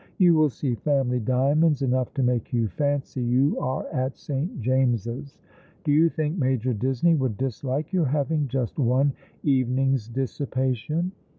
Yon will see family diamonds enough to make yon fancy you are at St. James's. Do you think Major Disney would dislike your having just one evening's dissipation